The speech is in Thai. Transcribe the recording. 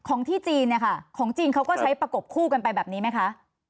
ที่จีนเนี่ยค่ะของจีนเขาก็ใช้ประกบคู่กันไปแบบนี้ไหมคะ